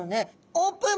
オープン！